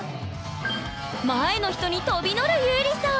前の人に飛び乗るゆりさん。